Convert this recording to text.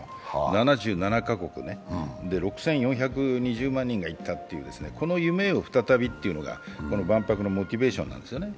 ７７か国、６４２０万人が行ったという、この夢を再びというのが万博のモチベーションなんですね。